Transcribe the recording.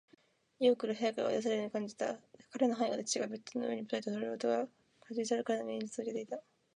ゲオルクは部屋から追い出されるように感じた。彼の背後で父がベッドの上にばたりと倒れる音が、走り去る彼の耳に聞こえつづけていた。